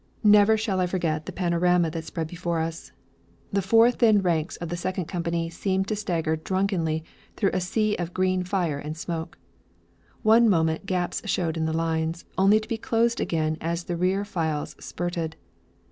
Never shall I forget the panorama that spread before us! The four thin ranks of the second company seemed to stagger drunkenly through a sea of green fire and smoke. One moment gaps showed in the lines, only to be closed again as the rear files spurted.